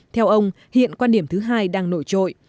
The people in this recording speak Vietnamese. theo ông hiện quan điểm thứ hai đang nổi trội